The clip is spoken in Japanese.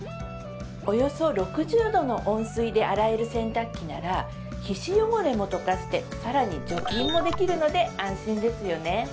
およそ６０℃の温水で洗える洗濯機なら皮脂汚れもとかしてさらに除菌もできるので安心ですよね